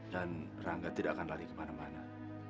dan rangga tidak akan lari kemana mana